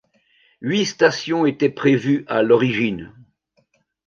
Huit stations étaient prévues à l'origine.